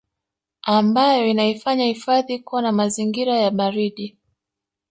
ambayo inaifanya hifadhi kuwa na mazingira ya baridi